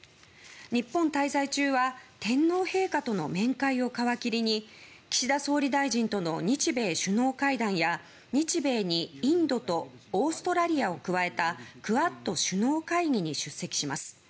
日本滞在中は天皇陛下との面会を皮切りに岸田総理大臣との日米首脳会談や日米にインドとオーストラリアを加えたクアッド首脳会議に出席します。